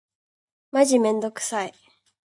マジめんどくさい。